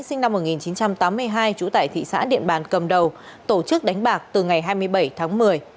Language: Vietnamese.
sinh năm một nghìn chín trăm tám mươi hai trú tại thị xã điện bàn cầm đầu tổ chức đánh bạc từ ngày hai mươi bảy tháng một mươi